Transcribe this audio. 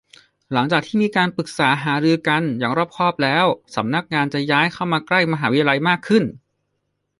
หลังจากที่มีการปรึกษาหารือกันอย่างรอบคอบแล้ว สำนักงานจะย้ายเข้ามาใกล้มหาวิทยาลัยมากขึ้น